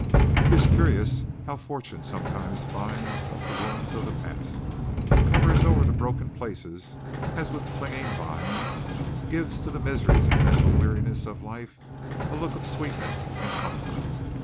It is curious how fortune sometimes binds up the wounds of the past, covers over the broken places as with clinging vines, gives to the miseries and mental wearinesses of life a look of sweetness and comfort.